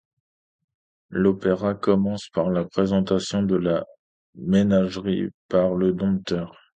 L'opéra commence par la présentation de la ménagerie par le dompteur.